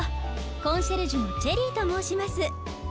コンシェルジュのチェリーともうします。